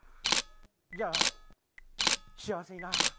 じゃあ、幸せにな。